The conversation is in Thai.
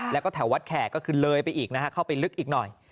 แล้วก็แถววัดแขกก็คือเลยไปอีกนะฮะเข้าไปลึกอีกหน่อย